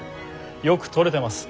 よく撮れてます。